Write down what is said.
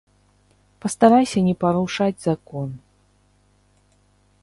Пастарайся не парушаць закон.